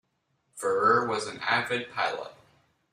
Furrer was an avid pilot.